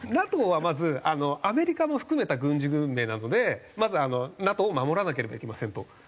ＮＡＴＯはまずアメリカも含めた軍事同盟なのでまずＮＡＴＯを守らなければいけませんと。